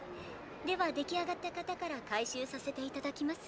では出来上がった方から回収させて頂きます。